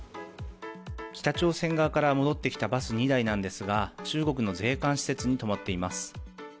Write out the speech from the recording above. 北朝鮮側から戻ってきたバス２台なんですが中国の税関施設に止まっています。